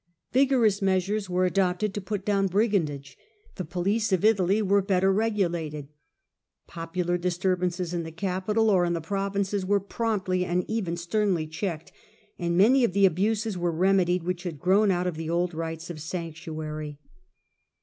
Vigorous measures were adopted to put down brigandage, the police of Italy was better regulated, popular disturbances in the capital or in the provinces were promptly and even sternly checked, and many of the abuses were remedied which had grown out of the old rights of sanctuary.